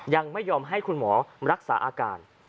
ยังไม่ยอมให้คุณหมอรักษาอาการ